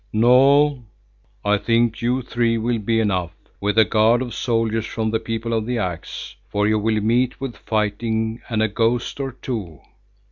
"No, I think you three will be enough, with a guard of soldiers from the People of the Axe, for you will meet with fighting and a ghost or two.